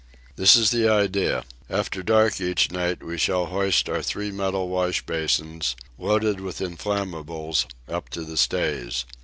This is the idea: after dark each night we shall hoist our three metal wash basins, loaded with inflammables, up to the stays.